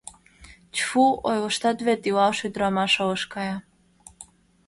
— Тьф-фу, ойлыштат вет, — илалше ӱдырамаш ылыж кая.